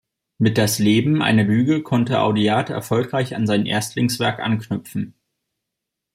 Mit "Das Leben: Eine Lüge" konnte Audiard erfolgreich an sein Erstlingswerk anknüpfen.